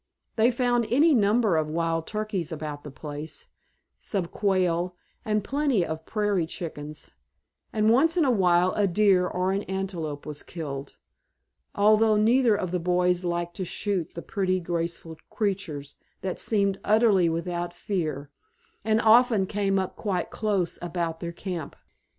They found any number of wild turkeys about the place, some quail, and plenty of prairie chickens, and once in a while a deer or an antelope was killed, although neither of the boys liked to shoot the pretty, graceful creatures, that seemed utterly without fear, and often came up quite close about their camp.